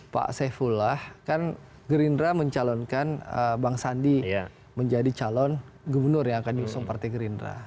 pak saifullah kan gerindra mencalonkan bang sandi menjadi calon gubernur yang akan diusung partai gerindra